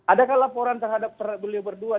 adakah laporan terhadap beliau berdua